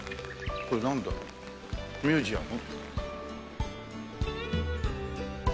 これなんだろう？ミュージアム？